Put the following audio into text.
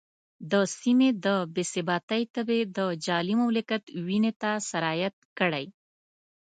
د سیمې د بې ثباتۍ تبې د جعلي مملکت وینې ته سرایت کړی.